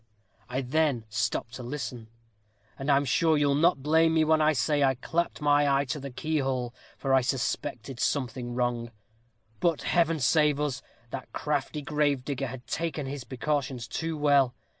I then stopped to listen: and I'm sure you'll not blame me when I say I clapped my eye to the keyhole; for I suspected something wrong. But, Heaven save us! that crafty gravedigger had taken his precautions too well.